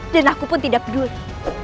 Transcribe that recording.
dan aku pun tidak peduli